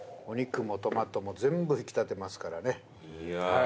お肉もトマトも全部引き立てますからね。